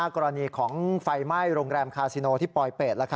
กรณีของไฟไหม้โรงแรมคาซิโนที่ปลอยเป็ด